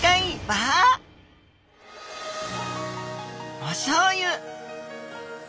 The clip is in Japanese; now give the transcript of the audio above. おしょうゆ。